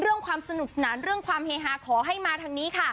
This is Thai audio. ความสนุกสนานเรื่องความเฮฮาขอให้มาทางนี้ค่ะ